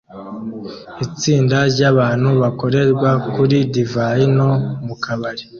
Itsinda ryabantu bakorerwa kuri divayi no mu kabari